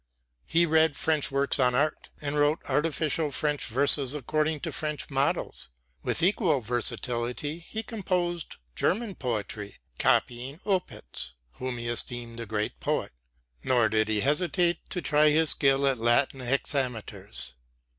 He read French works on art, and wrote artificial French verses according to French models. With equal versatility he composed German poetry, copying Opitz, whom he esteemed a great poet. Nor did he hesitate to try his skill at Latin hexameters.